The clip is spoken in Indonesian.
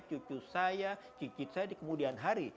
cucu saya cucu saya cucu saya di kemudian hari